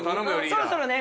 そろそろね。